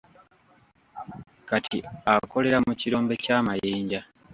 Kati akolera mu kirombe ky'amayinja.